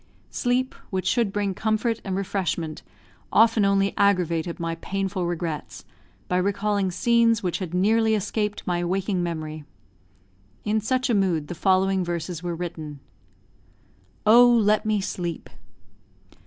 Sleep, which should bring comfort and refreshment, often only aggravated my painful regrets, by recalling scenes which had nearly escaped my waking memory. In such a mood the following verses were written: OH, LET ME SLEEP!